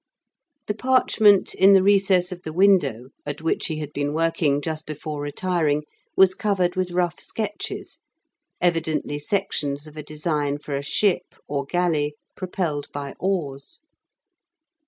The parchment in the recess of the window at which he had been working just before retiring was covered with rough sketches, evidently sections of a design for a ship or galley propelled by oars.